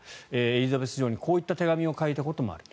エリザベス女王にこういった手紙を書いたこともある。